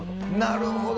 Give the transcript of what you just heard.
なるほど。